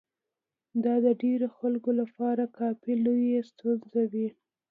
دا د ډېرو خلکو لپاره کافي لويې ستونزې وې.